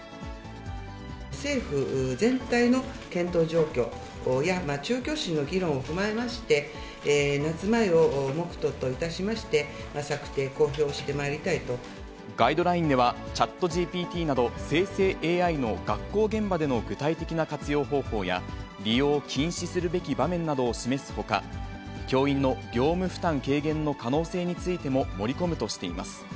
政府全体の検討状況や、中教審の議論を踏まえまして、夏前を目途といたしまして、策定、ガイドラインでは、チャットＧＰＴなど生成ＡＩの学校現場での具体的な活用方法や、利用を禁止するべき場面などを示すほか、教員の業務負担軽減の可能性についても盛り込むとしています。